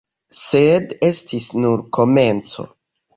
Sed estis nur komenco.